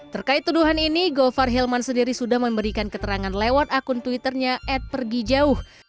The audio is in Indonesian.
terkait tuduhan ini gofar hilman sendiri sudah memberikan keterangan lewat akun twitternya at pergi jauh